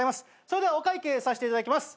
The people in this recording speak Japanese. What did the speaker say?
それではお会計させていただきます。